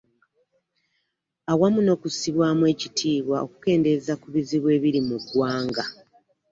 Awamu n'okussibwamu ekitiibwa okukendeeza ku bizibu ebiri mu ggwanga.